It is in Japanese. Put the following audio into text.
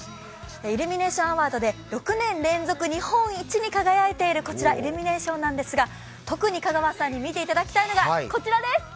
イルミネーションアワードで６年連続日本一に輝いているこちらイルミネーションなんですが、特に香川さんに見ていただきたいのがこちらです。